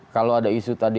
kalau ada isu tadi